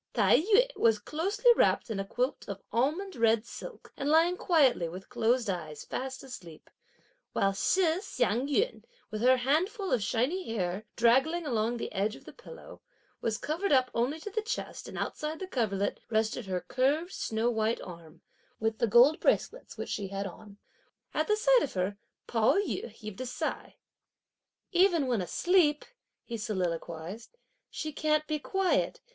Tai yü was closely wrapped in a quilt of almond red silk, and lying quietly, with closed eyes fast asleep; while Shih Hsiang yün, with her handful of shiny hair draggling along the edge of the pillow, was covered only up to the chest, and outside the coverlet rested her curved snow white arm, with the gold bracelets, which she had on. At the sight of her, Pao yü heaved a sigh. "Even when asleep," he soliloquised, "she can't be quiet!